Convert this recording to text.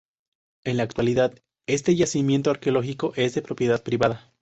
En la actualidad este yacimiento arqueológico es propiedad privada.